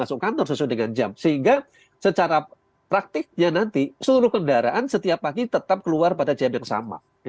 dan masuk kantor sesuai dengan jam sehingga secara praktiknya nanti seluruh kendaraan setiap pagi tetap keluar pada jam yang sama